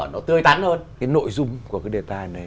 nó tươi tắn hơn cái nội dung của cái đề tài này